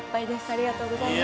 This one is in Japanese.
ありがとうございます。